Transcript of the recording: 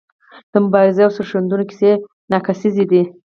د مبارزو او سرښندنو کیسې ناکیسیزې دي.